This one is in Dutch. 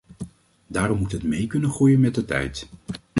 Daarom moet het mee kunnen groeien met de tijd.